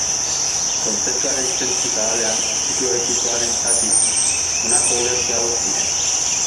Kontzeptuaren zentzu zabalean, ziklo epikoaren zati, honako olerki hauek ziren.